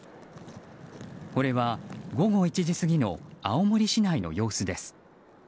これは午後１時過ぎの青森市内の様子です。